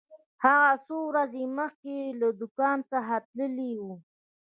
هغه څو ورځې مخکې له دکان څخه تللی و.